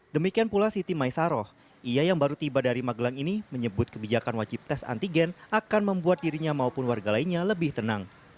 demikian pula siti maisaroh ia yang baru tiba dari magelang ini menyebut kebijakan wajib tes antigen akan membuat dirinya maupun warga lainnya lebih tenang